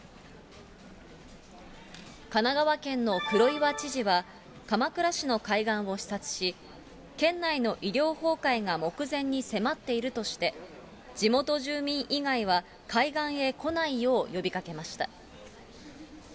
神奈川県の黒岩知事は鎌倉市の海岸を視察し、県内の医療崩壊が目前に迫っているとして、地元住民以外は海岸へ来ないよう呼びかけました。